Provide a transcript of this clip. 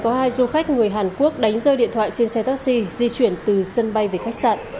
có hai du khách người hàn quốc đánh rơi điện thoại trên xe taxi di chuyển từ sân bay về khách sạn